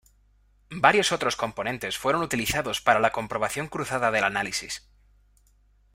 Varios otros componentes fueron utilizados para la comprobación cruzada del análisis.